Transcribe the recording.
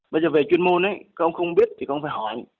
bây giờ về chuyên môn ông không biết thì ông phải hỏi